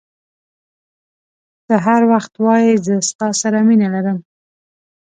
ته هر وخت وایي زه ستا سره مینه لرم.